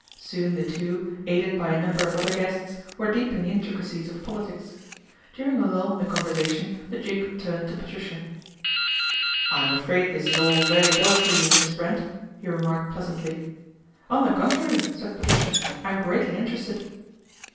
Soon the two, aided by ! number of other guests, were deep in the intricacie of politics. During a lull in the conversation th< Duke turned to Patricia. " I am afraid this is all very dull for you, Mis Brent," he remarked pleasantly. " On the contrary/' said Patricia, " I ac greatly interested."